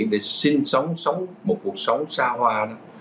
để sinh sống sống một cuộc sống xa hoa đó